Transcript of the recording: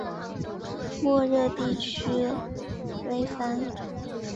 莫热地区勒潘。